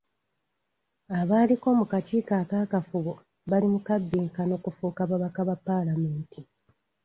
Abaaliko mu kakiiko akakafubo bali mu kabbinkano kufuuka babaka ba paalamenti.